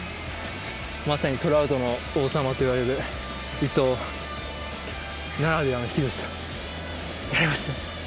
まさにトラウトの王様といわれるイトウならではのヒキでしたやりました